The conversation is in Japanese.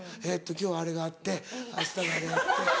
今日あれがあってあしたがあれがあって。